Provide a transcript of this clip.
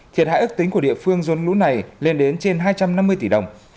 thiệt hại ức tính của địa phương dôn lũ này lên đến trên hai trăm năm mươi tỷ đồng